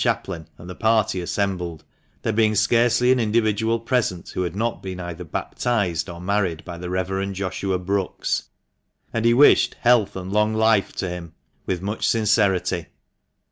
chaplain and the party assembled, there being scarcely an individual present who had not been either baptised or married by the Rev. Joshua Brookes ; and he wished " health and long life to him " with much sincerity.